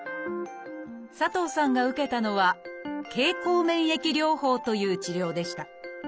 佐藤さんが受けたのは「経口免疫療法」という治療でした。